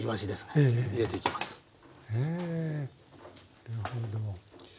へなるほど。